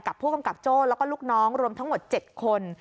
ผู้กำกับโจ้แล้วก็ลูกน้องรวมทั้งหมด๗คน